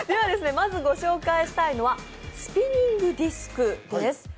まずご紹介したいのは、スピニングディスクです。